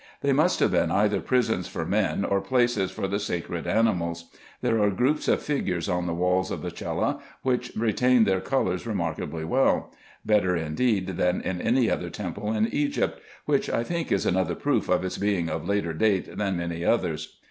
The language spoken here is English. They must have been either prisons for men, or places for the sacred animals. There are groups of figures on the walls of the cella, which retain their colours remarkably well ; better indeed than in any other temple in Egypt ; which I think is another proof of its being of later date than many others.